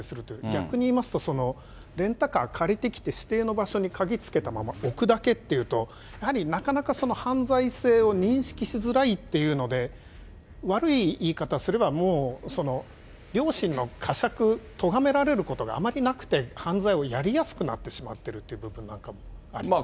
逆に言いますと、レンタカー借りてきて指定の場所に鍵つけたまま置くだけっていうと、やはりなかなかその犯罪性を認識しづらいっていうので、悪い言い方すれば、もう良心のかしゃく、とがめられることがあまりなくて、犯罪をやりやすくなってしまってるって部分なんかもありますね。